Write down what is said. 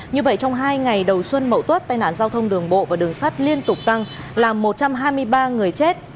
như vậy trong hai ngày đầu xuân mậu tuất tai nạn giao thông đường bộ và đường sắt liên tục tăng làm một trăm hai mươi ba người chết